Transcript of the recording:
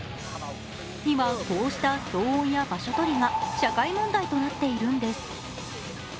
今、こうした騒音や場所取りが社会問題となっているんです。